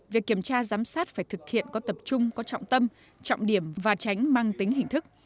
việc kiểm tra giám sát phải thực hiện có tập trung có trọng tâm trọng điểm và tránh mang tính hình thức